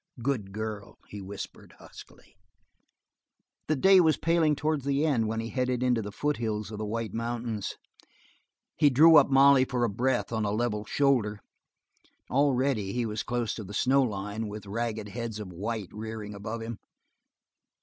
"Good girl," he whispered huskily. The day was paling towards the end when he headed into the foothills of the White Mountains. He drew up Molly for a breath on a level shoulder. Already he was close to the snow line with ragged heads of white rearing above him.